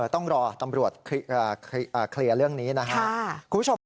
ต้องรอตำรวจเคลียร์เรื่องนี้นะฮะคุณผู้ชม